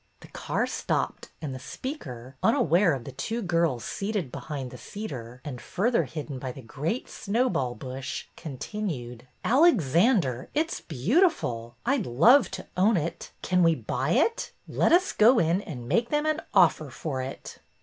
The car stopped, and the speaker, unaware of the two girls seated behind the cedar and further hidden by the great snowball bush, continued : '^Alexander, it's beautiful! I'd love to own it. Can't we buy it? Let us go in and make them an offer for it."